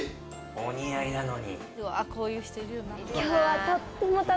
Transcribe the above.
お似合いなのに。